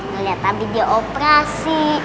ngeliat abu di operasi